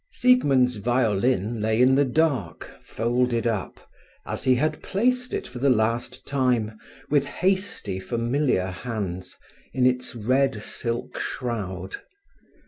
Siegmund's violin lay in the dark, folded up, as he had placed it for the last time, with hasty, familiar hands, in its red silk shroud.